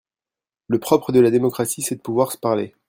Le propre de la démocratie, c’est de pouvoir se parler